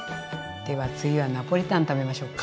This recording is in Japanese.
では次はナポリタン食べましょうか。